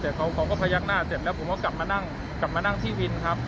แต่เขาก็พยักหน้าเสร็จแล้วผมก็กลับมานั่งที่วินครับ